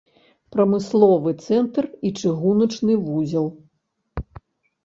Прамысловы цэнтр і чыгуначны вузел.